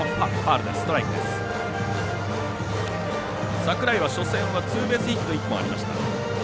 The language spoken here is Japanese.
櫻井は、初戦はツーベースヒット１本ありました。